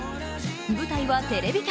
舞台はテレビ局。